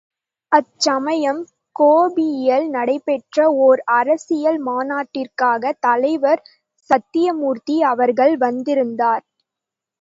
அச்சமயம் கோபியில் நடைபெற்ற ஓர் அரசியல் மாநாட்டிற்காகத் தலைவர் சத்யமூர்த்தி அவர்கள் வந்திருந்தார்.